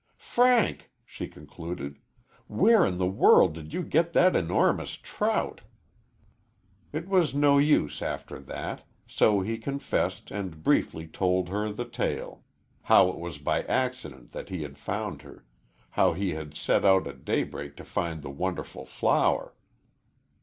"Frank!" she concluded, "where in the world did you get that enormous trout?" It was no use after that, so he confessed and briefly told her the tale how it was by accident that he had found her how he had set out at daybreak to find the wonderful flower.